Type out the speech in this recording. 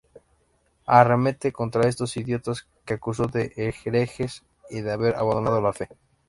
Arremete contra estos "idiotas" que acusó de herejes y de haber abandonado la fe.